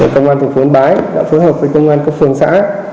công an thành phố yên bái đã phối hợp với công an các phường xã